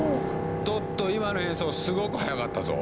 トット今の演奏すごく速かったぞ！